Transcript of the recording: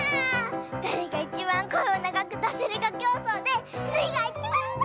だれがいちばんこえをながくだせるかきょうそうでスイがいちばんだ！